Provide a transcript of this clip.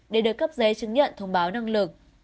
để được cấp giấy chứng nhận thông báo năng lực